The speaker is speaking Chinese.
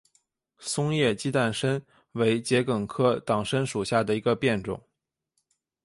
松叶鸡蛋参为桔梗科党参属下的一个变种。